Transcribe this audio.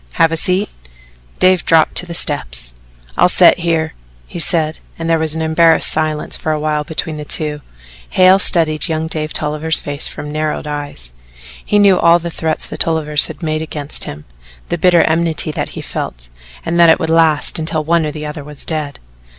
"Have a seat." Dave dropped to the steps. "I'll set here," he said, and there was an embarrassed silence for a while between the two. Hale studied young Dave's face from narrowed eyes. He knew all the threats the Tolliver had made against him, the bitter enmity that he felt, and that it would last until one or the other was dead.